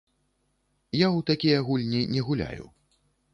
Я ў такія гульні не гуляю.